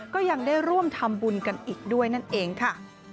ก็ยังได้ร่วมทำบุญกันอีกด้วยนั่นเองค่ะ